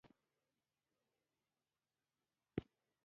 کروندګر د حاصل د ښه والي لپاره کوښښ کوي